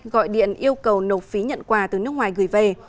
gọi điện yêu cầu nộp phí nhận quà từ nước ngoài gửi về